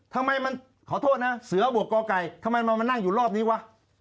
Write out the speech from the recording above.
ทำไมมันขอโทษนะเสือบวกกอไก่ทำไมมานั่งอยู่รอบนี้วะ